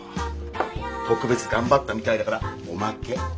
特別頑張ったみたいだからおまけ。